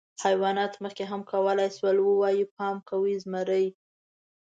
حیواناتو مخکې هم کولی شول، ووایي: «پام کوئ، زمری!».